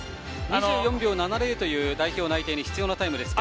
２４秒７０という代表内定に必要なタイムですが。